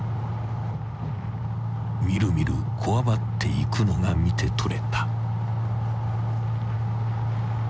［みるみるこわばっていくのが見てとれた］